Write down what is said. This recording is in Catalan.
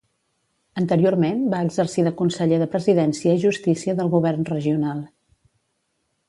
Anteriorment va exercir de conseller de Presidència i Justícia del govern regional.